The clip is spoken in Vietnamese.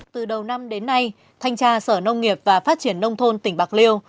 từ đầu năm đến nay thanh tra sở nông nghiệp và phát triển nông thôn tỉnh bạc liêu